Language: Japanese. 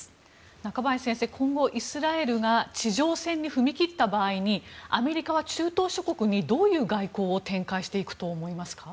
中林先生今後イスラエルが地上戦に踏み切った場合にアメリカは中東諸国にどういう外交を展開していくと思いますか？